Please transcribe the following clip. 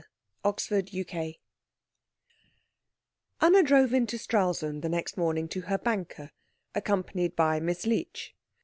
CHAPTER XXX Anna drove into Stralsund the next morning to her banker, accompanied by Miss Leech.